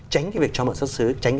tránh cái việc cho mượn xuất xứ